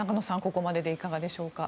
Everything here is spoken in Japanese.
ここまででいかがでしょうか。